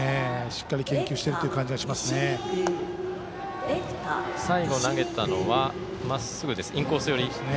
しっかり研究している感じがしますね。